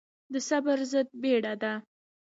د صبر ضد بيړه ده.